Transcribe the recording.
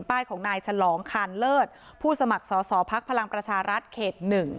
ป้ายของนายฉลองคานเลิศผู้สมัครสอสอภักดิ์พลังประชารัฐเขต๑